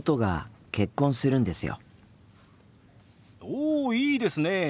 おいいですねえ。